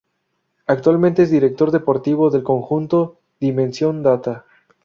Actualmente es director deportivo del conjunto Dimension Data.